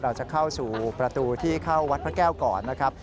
เราจะเข้าสู่ประตูที่เข้าวัดพระแก้วก่อนนะครับ